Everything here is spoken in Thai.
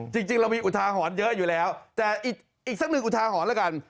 จริงเรามีอุทาหรณ์เยอะอยู่แล้วแต่อีกสักหนึ่งอุทาหรณ์แล้วกัน